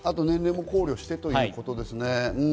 年齢も考慮してということですね。